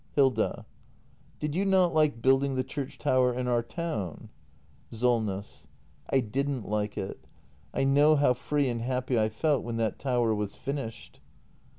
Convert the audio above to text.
Hilda. Did you not like building the church tower in our town ? SOLNESS. I didn't like it. I know how free and happy I felt when that tower was finished.